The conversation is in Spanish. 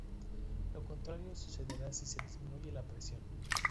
Lo contrario sucederá si se disminuye la presión.